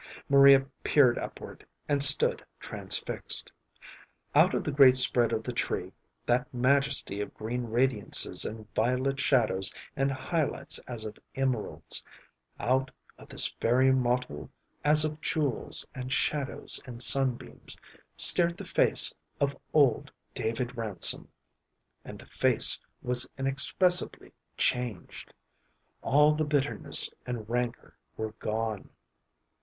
Maria peered upward, and stood transfixed. Out of the great spread of the tree, that majesty of green radiances and violet shadows and high lights as of emeralds — out of this fairy mottle as of jewels and shadows and sunbeams, stared the face of old David Ransom, and the face was inexpressibly changed. All the bitterness and rancor were gone.